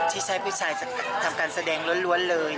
ที่ใช้ผู้ชายทำการแสดงล้วนเลย